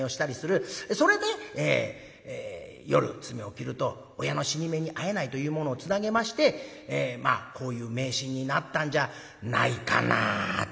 それで夜爪を切ると親の死に目にあえないというものをつなげましてまあこういう迷信になったんじゃないかなあと思うんですけれどもね。